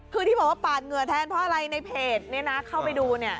เพราะปาดเหงื่อแทนเพราะอะไรในเพจนี้นะเข้าไปดูเนี่ย